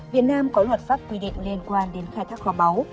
việt nam có luật pháp quy định liên quan đến khai thác khóa báu